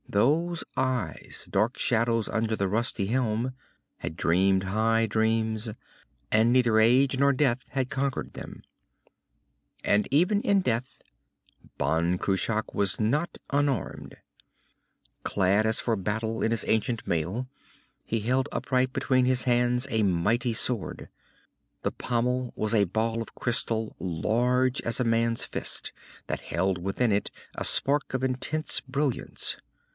Those eyes, dark shadows under the rusty helm, had dreamed high dreams, and neither age nor death had conquered them. And even in death, Ban Cruach was not unarmed. Clad as for battle in his ancient mail, he held upright between his hands a mighty sword. The pommel was a ball of crystal large as a man's fist, that held within it a spark of intense brilliance.